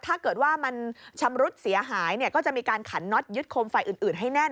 ถ้าเกิดว่ามันชำรุดเสียหายก็จะมีการขันน็อตยึดโคมไฟอื่นให้แน่น